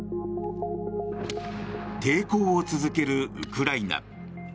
抵抗を続けるウクライナ。